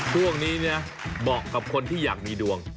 ดวงนี้เนี่ยบอกกับคนที่อยากมีดวง